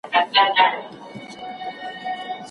کاڼی د غره دی کله انسان دی.